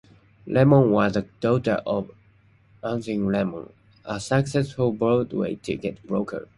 Lemmon was the daughter of Arthur Lemmon, a successful Broadway ticket broker.